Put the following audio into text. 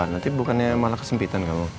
nanti bukannya malah kesempitan kamu